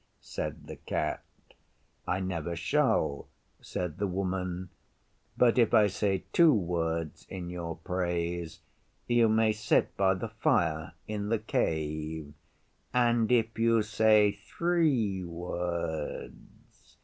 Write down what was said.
said the Cat. 'I never shall,' said the Woman, 'but if I say two words in your praise, you may sit by the fire in the Cave.' 'And if you say three words?